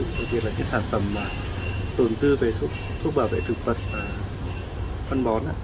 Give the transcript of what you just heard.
và việc là những sản phẩm tổn dư về thuốc bảo vệ thực vật và phân bón